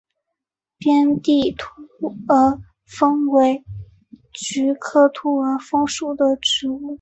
边地兔儿风为菊科兔儿风属的植物。